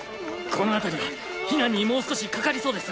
この辺りは避難にもう少しかかりそうです。